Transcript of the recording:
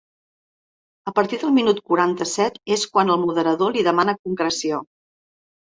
A partir del minut quaranta-set és quan el moderador li demana concreció.